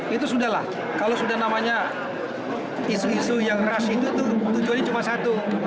itu sudah lah kalau sudah namanya isu isu yang ras itu tuh tujuannya cuma satu